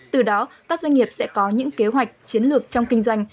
từ đó các doanh nghiệp sẽ có những kế hoạch chiến lược trong kinh doanh